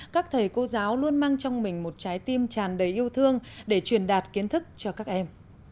các thầy cô giáo luôn mang trong mình một trái tim tràn đầy yêu thương để truyền đạt kiến thức cho các em